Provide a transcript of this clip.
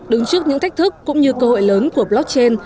đứng trước những thách thức cũng như cơ hội lớn của blockchain